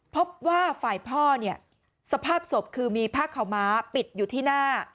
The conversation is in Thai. พบว่าฝ่ายพ่อเนี่ยสภาพศพคือมีผ้าขาวม้าปิดอยู่ที่หน้า